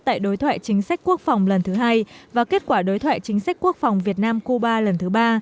tại đối thoại chính sách quốc phòng lần thứ hai và kết quả đối thoại chính sách quốc phòng việt nam cuba lần thứ ba